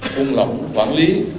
buôn lẩu quản lý